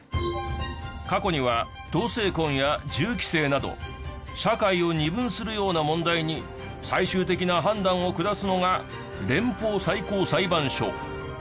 過去には同性婚や銃規制など社会を二分するような問題に最終的な判断を下すのが連邦最高裁判所。